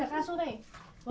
mas gareng dulu masuk